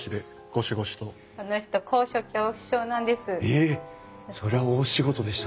この人高所恐怖症なんです。